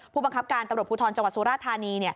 ผู้บังคับการตำรวจภูทรจังหวัดสุราธานี